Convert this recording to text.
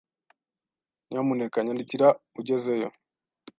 Nyamuneka nyandikira ugezeyo.